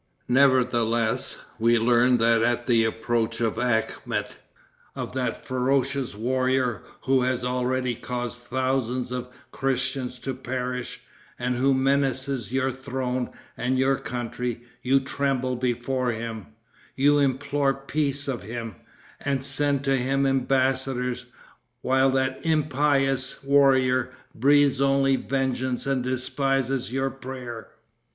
Nevertheless, we learn that at the approach of Akhmet, of that ferocious warrior who has already caused thousands of Christians to perish, and who menaces your throne and your country, you tremble before him you implore peace of him, and send to him embassadors, while that impious warrior breathes only vengeance and despises your prayer.